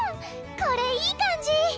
これいい感じ！